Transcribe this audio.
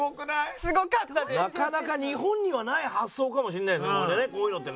なかなか日本にはない発想かもしんないですね